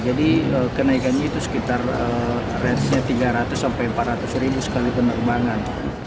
jadi kenaikannya itu sekitar ratenya tiga ratus empat ratus ribu sekali penerbangan